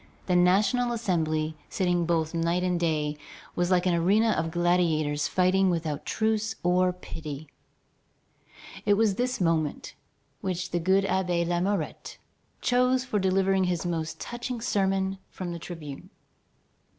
The National Assembly, sitting both day and night, was like an arena of gladiators fighting without truce or pity. It was this moment which the good Abbé Lamourette chose for delivering his most touching sermon from the tribune.